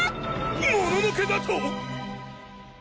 もののけだと！？